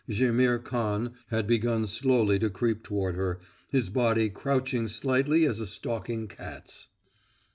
Jaimihr Khan had begun slowly to creep toward her, his body crouching slightly as a stalking cat's.